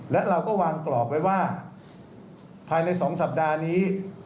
และเราก็วางกรอบไว้ว่าภายใน๒สัปดาห์นี้